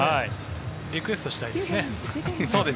リクエストしたいですね。